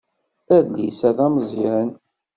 Adlis-a d ameẓẓyan